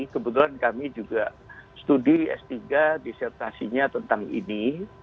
kebetulan kami juga studi s tiga disertasinya tentang ini